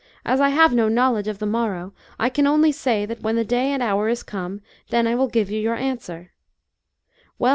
" As I have no knowledge of the morrow, I can only say, that when the day aiifl hour is come, then I will give you your answer."